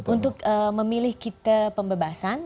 untuk memilih kita pembebasan